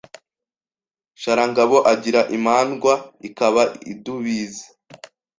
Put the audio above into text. Sharangabo Agira imandwa ikaba indubizi